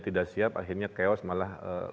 tidak siap akhirnya chaos malah